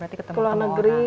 hanya mettre tangan di rumah